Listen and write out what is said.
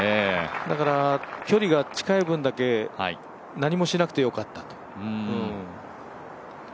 距離が近い分だけ何もしなくてよかった。